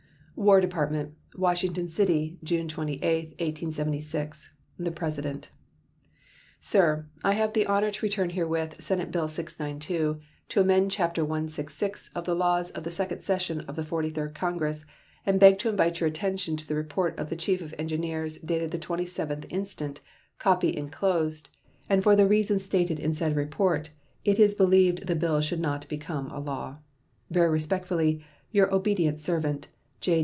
WAR DEPARTMENT, Washington City, June 28, 1876. The PRESIDENT: SIR: I have the honor to return herewith Senate bill No. 692, "to amend chapter 166 of the laws of the second session of the Forty third Congress," and beg to invite your attention to the report of the Chief of Engineers dated the 27th instant, copy inclosed, and for the reasons stated in said report it is believed the bill should not become a law. Very respectfully, your obedient servant, J.